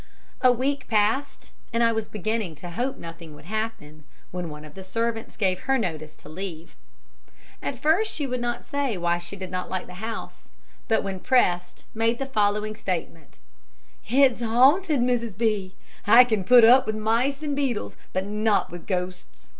A week passed, and I was beginning to hope nothing would happen, when one of the servants gave notice to leave. At first she would not say why she did not like the house, but when pressed made the following statement: "It's haunted, Mrs. B . I can put up with mice and beetles, but not with ghosts.